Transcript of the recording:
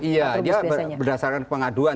iya dia berdasarkan pengaduan